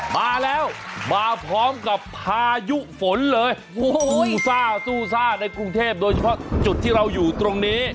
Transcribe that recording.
มาแล้วมาพร้อมกับพายุฝนเลยโอ้โหซ่าซู่ซ่าในกรุงเทพโดยเฉพาะจุดที่เราอยู่ตรงนี้